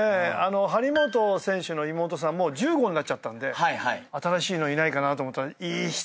張本選手の妹さんも１５になっちゃったんで新しいのいないかなと思ったいい人いたねー。